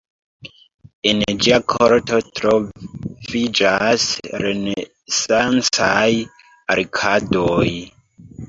En ĝia korto troviĝas renesancaj arkadoj.